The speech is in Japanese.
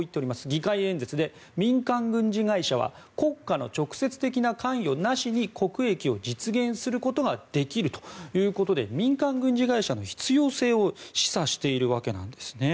議会演説で民間軍事会社は国家の直接的な関与なしに国益を実現することができるということで民間軍事会社の必要性を示唆しているわけなんですね。